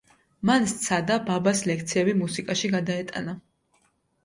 მან სცადა, ბაბას ლექციები მუსიკაში გადაეტანა.